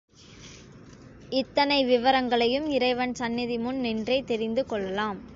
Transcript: இத்தனை விவரங்களையும் இறைவன் சந்நிதிமுன் நின்றே தெரிந்து கொள்ளலாம்.